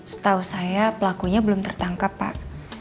setahu saya pelakunya belum tertangkap pak